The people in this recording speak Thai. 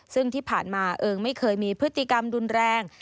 ซึ่งที่ผ่านมาเองไม่เคยมีพฤติกรรมรุนแรง